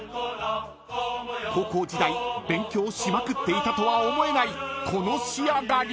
［高校時代勉強しまくっていたとは思えないこの仕上がり］